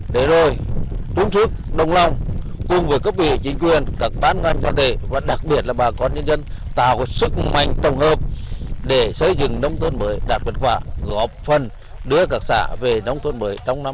để rồi tuân sức đồng lòng cùng với cấp biểu chính quyền các bán ngành và đặc biệt là bà con nhân dân tạo sức mạnh tổng hợp để xây dựng nông thuận mới đạt vật quả góp phần đưa các xã về nông thuận mới trong năm hai nghìn năm mươi bảy